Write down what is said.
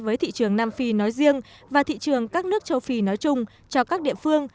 với thị trường nam phi nói riêng và thị trường các nước châu phi nói chung cho các địa phương